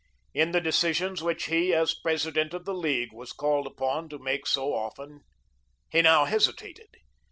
In the decisions which he, as President of the League, was called upon to make so often, he now hesitated.